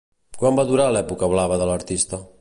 Quant va durar l'època blava de l'artista?